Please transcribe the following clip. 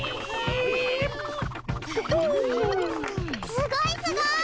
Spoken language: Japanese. すごいすごい！